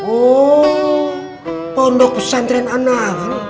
oh mondok pesantren anahal